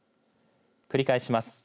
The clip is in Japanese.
繰り返します。